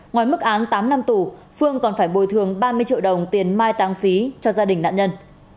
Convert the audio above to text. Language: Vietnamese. ngoài mức án tám năm tù phương còn phải bồi thường ba mươi triệu đồng tiền mai tăng phí cho gia đình nạn nhân